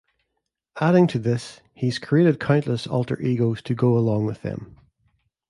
Adding to this, he's created countless alter egos to go along with them.